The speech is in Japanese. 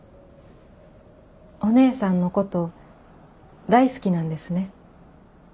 お姉さんのこと大好きなんですね。